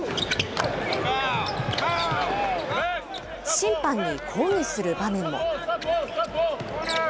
審判に抗議する場面も。